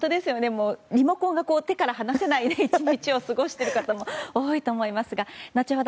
リモコンが手から離れない１日を過ごしている方も多いと思いますが後ほど